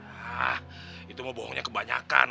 nah itu mah bohongnya kebanyakan